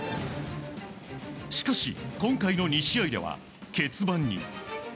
しかし、今回の２試合では欠番に。